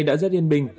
đã rất yên bình